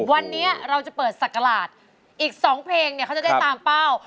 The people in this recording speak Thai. วันนี้เราจะเปิดศักราชอีก๒เพลงเนี่ยเขาจะได้ตามเป้า